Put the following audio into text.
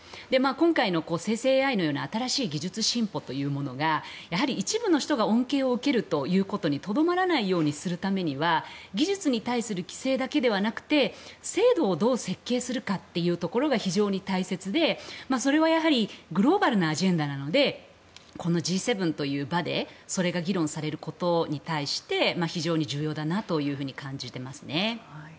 今回の生成ＡＩのような新しい技術進歩というのがやはり一部の人が恩恵を受けるということにとどまらないようにするためには技術に対する規制だけではなくて制度をどう設計するかというところが非常に大切で、それはグローバルなアジェンダなのでこのＧ７という場でそれが議論されることに対して非常に重要だなと感じていますね。